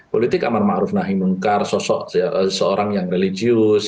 politik amar ma'ruf nahi mungkar sosok seorang yang religius